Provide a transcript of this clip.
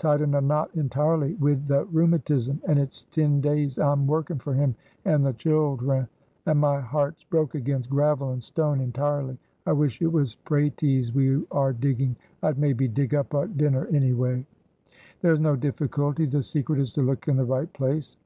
"Tied in a knot intirely wid the rheumatism and it's tin days I'm working for him and the childhre, and my heart's broke against gravel and stone intirely. I wish it was pratees we are digging, I'd maybe dig up a dinner any way." "There is no difficulty, the secret is to look in the right place."